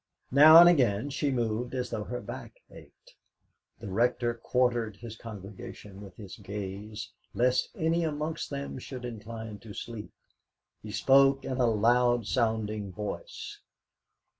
Now and again she moved as though her back ached. The Rector quartered his congregation with his gaze, lest any amongst them should incline to sleep. He spoke in a loud sounding voice.